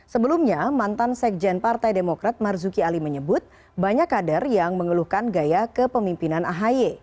sebelumnya mantan sekjen partai demokrat marzuki ali menyebut banyak kader yang mengeluhkan gaya kepemimpinan ahy